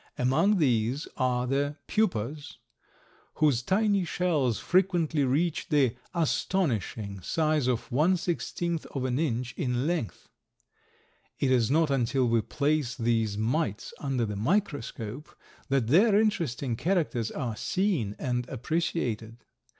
Among these are the Pupas, whose tiny shells frequently reach the astounding size of one sixteenth of an inch in length! It is not until we place these mites under the microscope that their interesting characters are seen and appreciated.